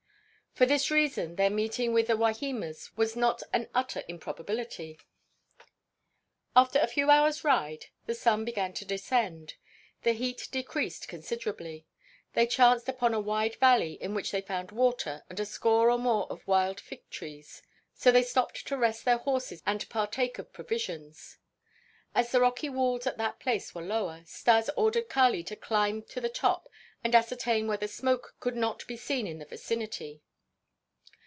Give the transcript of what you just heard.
For this reason their meeting with the Wahimas was not an utter improbability. After a few hours' ride, the sun began to descend. The heat decreased considerably. They chanced upon a wide valley in which they found water and a score or more of wild fig trees. So they stopped to rest their horses and partake of provisions. As the rocky walls at that place were lower, Stas ordered Kali to climb to the top and ascertain whether smoke could not be seen in the vicinity.